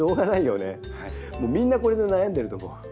みんなこれで悩んでると思う。